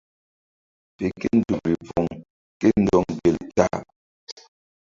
Fe ke nzukri poŋ ké nzɔŋ gel ta-a.